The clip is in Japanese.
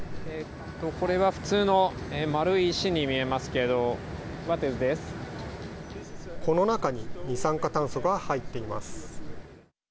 これは普通の丸い石に見えまこの中に二酸化炭素が入っています。